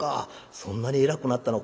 そんなに偉くなったのか。